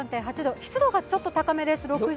湿度がちょっと高めです。